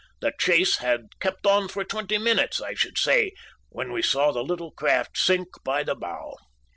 The chase had kept on for twenty minutes, I should say, when we saw the little craft sink by the bow.